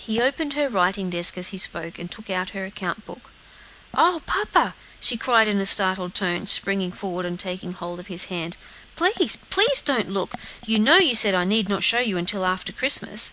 He opened her writing desk as he spoke, and took out her account book. "Oh! papa," she cried in a startled tone, springing forward and taking hold of his hand, "please, please don't look! you know you said I need not show you until after Christmas."